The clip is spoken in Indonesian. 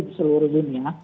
di seluruh dunia